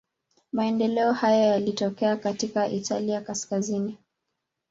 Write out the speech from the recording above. Maendeleo hayo yalitokea katika Italia kaskazini.